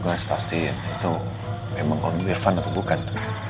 gue harus pastiin itu emang on weir fun atau bukan